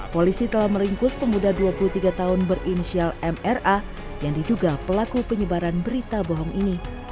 polisi telah meringkus pemuda dua puluh tiga tahun berinisial mra yang diduga pelaku penyebaran berita bohong ini